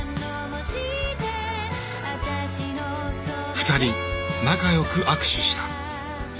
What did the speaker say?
２人仲よく握手した。